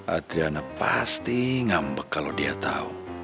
adriana pasti ngambek kalau dia tahu